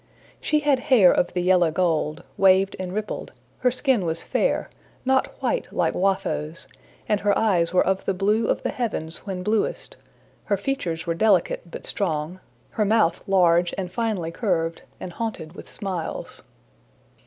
She had hair of the yellow gold, waved and rippled; her skin was fair, not white like Watho's, and her eyes were of the blue of the heavens when bluest; her features were delicate but strong, her mouth large and finely curved, and haunted with smiles.